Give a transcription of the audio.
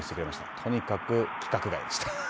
とにかく規格外でした。